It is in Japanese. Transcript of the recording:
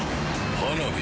花火。